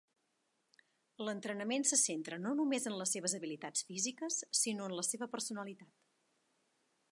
L'entrenament se centra no només en les seves habilitats físiques, sinó en la seva personalitat.